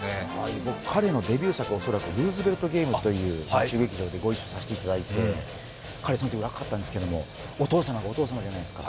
僕、彼のデビュー作、「ルーズヴェルト・ゲーム」という日曜劇場でご一緒させていただいて、彼そのとき若かったんですけどお父様がお父様じゃないですか。